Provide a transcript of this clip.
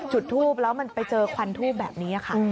จุดทูปแล้วมันไปเจอควันทูบแบบนี้ค่ะ